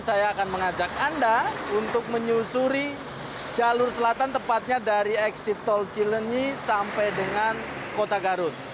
saya akan mengajak anda untuk menyusuri jalur selatan tepatnya dari eksit tol cilenyi sampai dengan kota garut